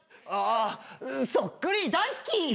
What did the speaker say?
ああうんそっくり大好き！